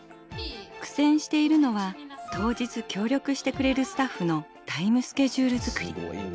苦戦しているのは当日協力してくれるスタッフのタイムスケジュール作り。